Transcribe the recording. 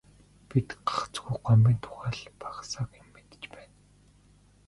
Бид гагцхүү Гомбын тухай л бага сага юм мэдэж байна.